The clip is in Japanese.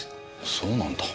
そうなんだ。